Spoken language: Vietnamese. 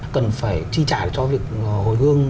cần phải chi trả cho việc hồi hương